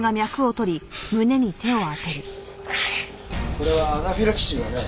これはアナフィラキシーだね。